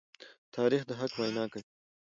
تاریخ د حق وینا کوي.